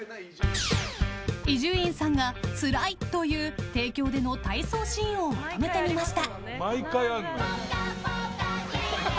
伊集院さんがつらいという提供での体操シーンをまとめてみました。